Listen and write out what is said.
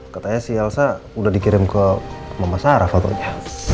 katanya si elsa udah dikirim ke mama sarah fotonya